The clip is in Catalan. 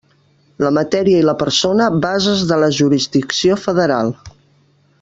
La matèria i la persona, bases de la jurisdicció federal.